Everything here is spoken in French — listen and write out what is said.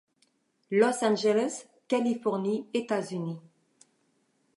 Los Angeles, Californie, États-Unis.